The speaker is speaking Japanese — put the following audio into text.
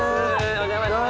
お邪魔します。